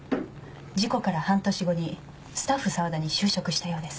事故から半年後にスタッフＳＡＷＡＤＡに就職したようです。